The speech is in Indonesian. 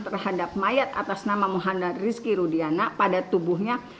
terhadap mayat atas nama muhammad rizky rudiana pada tubuhnya